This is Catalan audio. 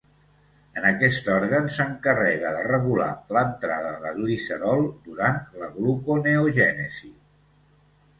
En aquest òrgan s'encarrega de regular l'entrada de glicerol durant la gluconeogènesi.